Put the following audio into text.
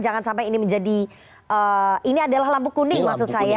jangan sampai ini menjadi ini adalah lampu kuning maksud saya